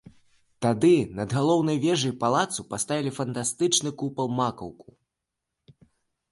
Тады над галоўнай вежай палацу паставілі фантастычны купал-макаўку.